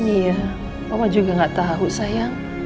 iya oma juga gak tahu sayang